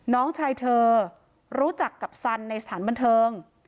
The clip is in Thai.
น้องชายเธอรู้จักกับสันในสถานบันเทิง